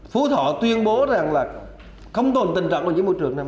phú thọ tuyên bố rằng là không tồn tình trạng đối với môi trường năm hai nghìn một mươi bảy